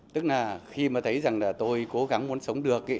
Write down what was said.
tức là khi mà thấy rằng là tôi cố gắng muốn sống được